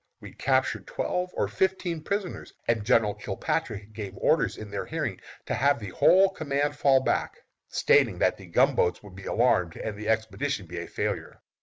"We captured twelve or fifteen prisoners, and General Kilpatrick gave orders in their hearing to have the whole command fall back, stating that the gunboats would be alarmed and the expedition be a failure.